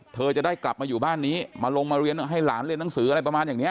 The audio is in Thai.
เธอจะได้กลับมาอยู่บ้านนี้มาลงมาเรียนให้หลานเรียนหนังสืออะไรประมาณอย่างนี้